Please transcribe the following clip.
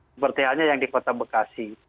seperti halnya yang di kota bekasi